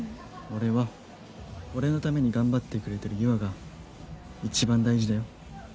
俺は俺のために頑張ってくれてる優愛がいちばん大事だよ。